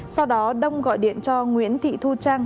sau đó đông gọi điện cho nguyễn thị thu trang